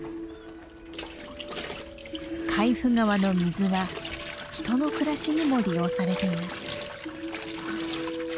海部川の水は人の暮らしにも利用されています。